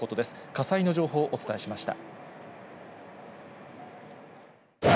火災の情報、お伝えしました。